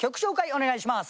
お願いします。